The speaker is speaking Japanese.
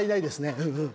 うん？